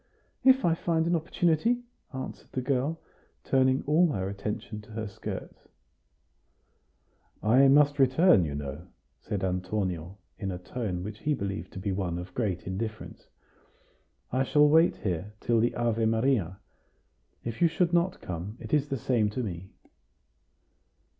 "If I find an opportunity," answered the girl, turning all her attention to her skirts. "I must return, you know," said Antonio, in a tone which he believed to be one of great indifference. "I shall wait here till the Ave Maria. If you should not come, it is the same to me."